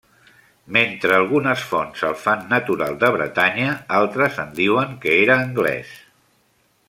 Mentre algunes fonts el fan natural de Bretanya, altres en diuen que era anglès.